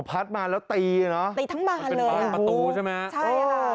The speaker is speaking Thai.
พัดมาแล้วตีเนอะเป็นบ้านประตูใช่ไหมโอ้โหใช่ค่ะ